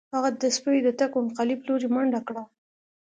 هغه د سپیو د تګ په مخالف لوري منډه کړه